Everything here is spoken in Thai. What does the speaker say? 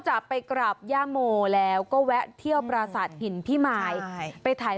จากไปกราบย่าโมแล้วก็แวะเที่ยวปราสาทหินพิมายไปถ่าย